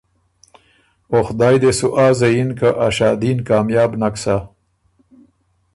او خدای دې سُو آ زیِن که ا شادي ن کامیاب نک سَۀ۔